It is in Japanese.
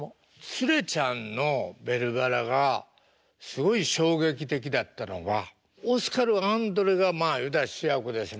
ツレちゃんの「ベルばら」がすごい衝撃的だったのはオスカルアンドレがまあ言うたら主役です。